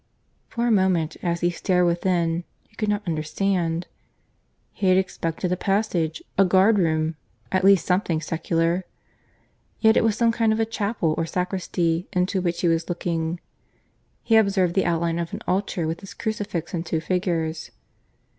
For a moment as he stared within he could not understand: he had expected a passage a guard room at least something secular. Yet it was some kind of a chapel or sacristy into which he was looking: he observed the outline of an altar with its crucifix; and two figures.